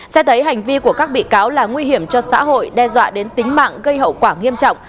xét thấy hành vi của các bị cáo là nguy hiểm cho xã hội đe dọa đến tính mạng gây hậu quả nghiêm trọng